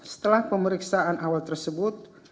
setelah pemeriksaan awal tersebut